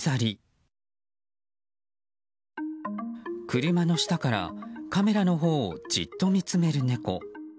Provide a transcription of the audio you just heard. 車の下から、カメラのほうをじっと見つめる猫。